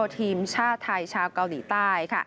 ทีมชาติไทยชาวเกาหลีใต้